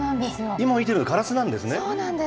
今、見てるのガラスなんですね。